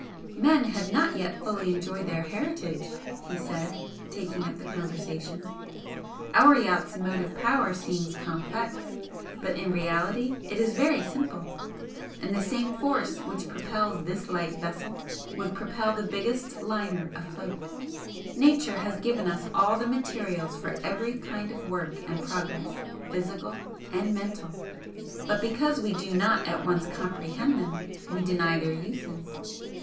"Men have not yet fully enjoyed their heritage," he said, taking up the conversation "Our yacht's motive power seems complex, but in reality it is very simple, and the same force which propels this light vessel would propel the biggest liner afloat. Nature has given us all the materials for every kind of work and progress, physical and mental but because we do not at once comprehend them we deny their uses.